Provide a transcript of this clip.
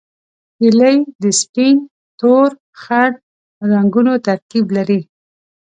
هیلۍ د سپین، تور، خړ رنګونو ترکیب لري